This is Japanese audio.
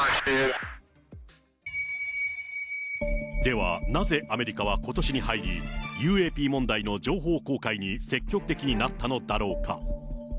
では、なぜアメリカはことしに入り、ＵＡＰ問題の情報公開に積極的になったのだろうか。